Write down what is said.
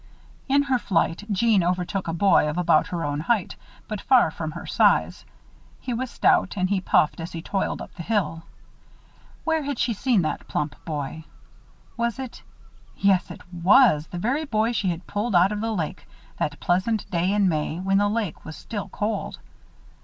In her flight, Jeanne overtook a boy of about her own height, but far from her own size. He was stout and he puffed as he toiled up the hill. Where had she seen that plump boy? Was it yes, it was the very boy she had pulled out of the lake, that pleasant day in May, when the lake was still cold.